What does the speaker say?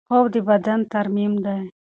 خوب د بدن ترمیم دی.